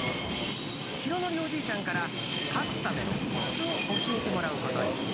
浩徳おじいちゃんから勝つためのコツを教えてもらうことに。